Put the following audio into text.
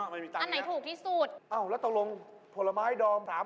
ไม่มีตังค์เลยนะ